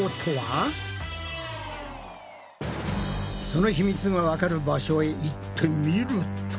そのヒミツがわかる場所へ行ってみると。